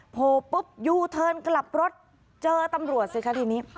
โผล่ปุ๊บยูเทิร์นกลับรถเจอตำรวจสิคะทีนี้